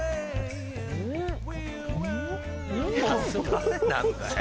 誰なんだよ